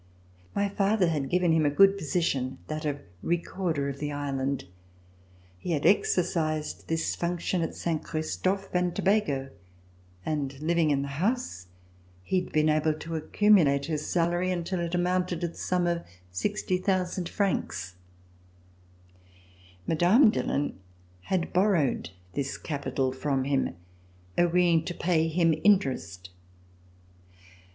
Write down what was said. My father had given him a good position, that of Recorder of the Island. He had exercised this function at Saint Christophe and Tabago and, living in the house, he had been able to accumulate his salary until it amounted to the sum of 60,000 francs. Mme. Dillon had borrowed this capital from him, agreeing to pay him interest.